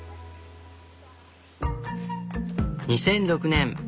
２００６年。